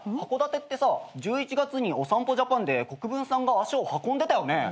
函館ってさ１１月に『おさんぽジャパン』で国分さんが足を運んでたよね。